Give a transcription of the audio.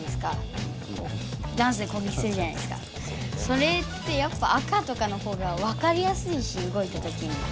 それってやっぱ赤とかのほうがわかりやすいし動いたときに。